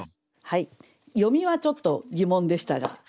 読みはちょっと疑問でしたが。